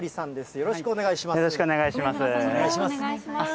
よろしくお願いします。